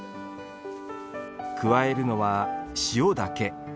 加えるのは塩だけ。